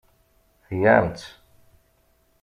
Tgam-tt!